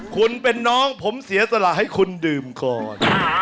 คุณเป็นน้องผมเสียสละให้คุณดื่มก่อน